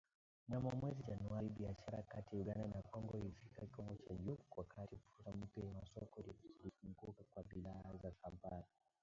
Mnamo mwezi Januari, biashara kati ya Uganda na Kongo ilifikia kiwango cha juu, wakati fursa mpya za masoko zilifunguka kwa bidhaa za Kampala